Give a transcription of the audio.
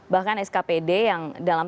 bahkan skpd yang dalam